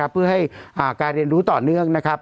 เพื่อให้การเรียนรู้ต่อเนื่องนะครับ